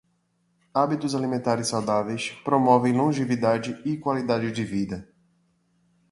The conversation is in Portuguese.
Hábitos alimentares saudáveis promovem longevidade e qualidade de vida.